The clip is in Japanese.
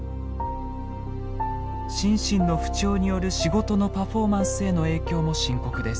心身の不調による仕事のパフォーマンスへの影響も深刻です。